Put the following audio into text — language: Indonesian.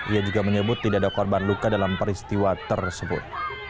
ia juga menyebut tidak ada korban luka dalam peristiwa tersebut